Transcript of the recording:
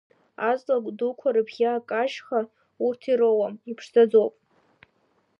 Аҵла дуқәа рыбӷьы акажьха, урҭ ироуам, иԥшӡаӡоуп.